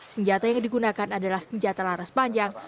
senjata yang digunakan adalah senjata laras panjang